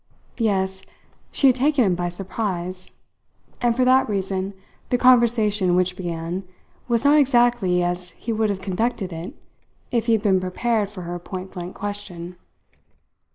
Yes, she had taken him by surprise, and for that reason the conversation which began was not exactly as he would have conducted it if he had been prepared for her pointblank question.